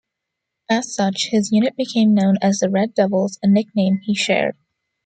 As such, his unit became known as the "Red Devils", a nickname he shared.